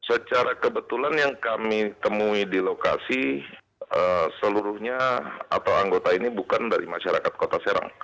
secara kebetulan yang kami temui di lokasi seluruhnya atau anggota ini bukan dari masyarakat kota serang